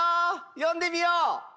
呼んでみよう